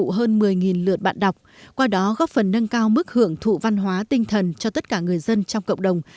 xe lưu động đã phục vụ hơn một mươi lượt bản đọc qua đó góp phần nâng cao mức hưởng thụ văn hóa tinh thần cho tất cả người dân trong cộng đồng